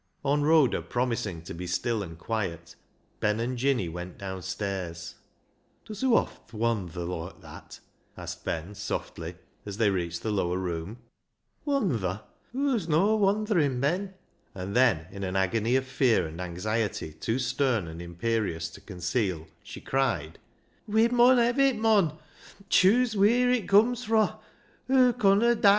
On Rhoda promising to be still and quiet, Ben and Jinny went downstairs. " Does hoo oft wandther loike that ?" asked Ben softly as they reached the lower room. " Wandther ? Hoo's no' wandthering, Ben ;" and then, in an agony of fear and anxiety too stern and imperious to conceal, she cried —" We mun hev' it, mon ; chuse wheer it comes THE MEMORY OF THE JUST 223 fro'.